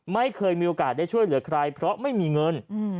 ไม่เคยมีโอกาสได้ช่วยเหลือใครเพราะไม่มีเงิน